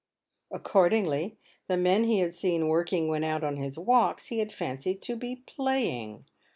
Ac cordingly, the men he had seen working when out on his walks he had fancied to be playing.